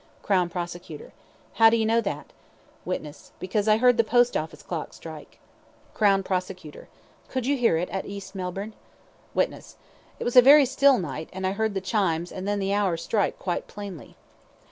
CROWN PROSECUTOR: How do you know that? WITNESS: Because I heard the Post Office clock strike. CROWN PROSECUTOR: Could you hear it at East Melbourne? WITNESS: It was a very still night, and I heard the chimes and then the hour strike quite plainly.